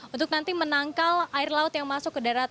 untuk nanti menangkal air laut yang masuk ke darat